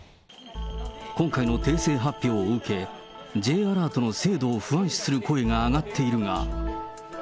今回の訂正発表を受け、Ｊアラートの精度を不安視する声が上がっているが。